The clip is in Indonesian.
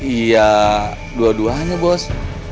iya dua duanya bos